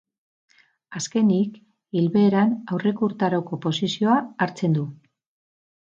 Azkenik, ilbeheran aurreko urtaroko posizioa hartzen du.